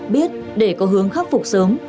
biết để có hướng khắc phục sớm